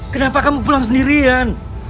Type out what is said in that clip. kenapa kamu pulang sendirian